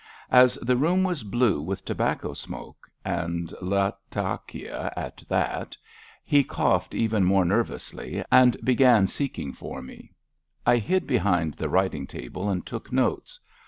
As the room was blue with tobacco smoke (and Latakia at that) he coughed even more nervously, and be gan seeking for me. I hid behind the writing table and took notes.